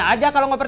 kayaknya udah gelir